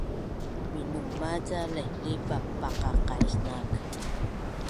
minuma ca laihlih paqaqais naak